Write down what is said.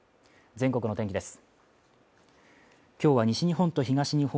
全国の天気です。